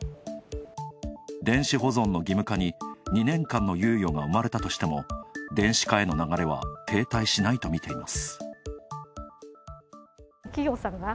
電子保存の義務化に、２年間の猶予が生まれたとしても電子化への流れは停滞しないとみています。